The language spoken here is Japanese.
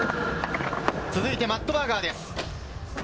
続いて、マット・バーガーです。